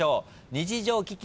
日常危機。